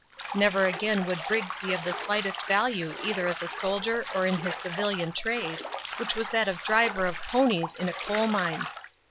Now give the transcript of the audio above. Never again would Briggs be of the slightest value either as a soldier or in his civilian trade, which was that of driver of ponies in a coal mine.